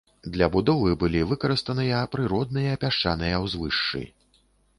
Для будовы былі выкарыстаныя прыродныя пясчаныя ўзвышшы.